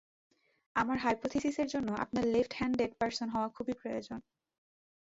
আমার হাইপোথিসিসের জন্যে আপনার লেফট হ্যানডেড পার্সন হওয়া খুবই প্রয়োজন।